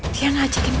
dia ngajakin ketemuan